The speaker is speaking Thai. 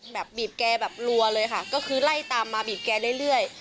บีบแกแบบรัวเลยค่ะก็คือไล่ตามมาบีบแกเรื่อย